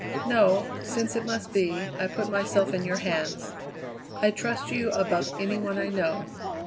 "No. Since it must be, I put myself in your hands. I trust you above any one I know.